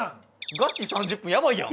ガチ３０分やばいやん！